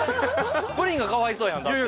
プリンがかわいそうやんだって。